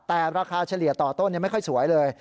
แต่ราคาเฉลี่ยต่อต้นไม่ค่อยสวยเลย